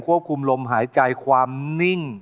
คุมลมหายใจความนิ่ง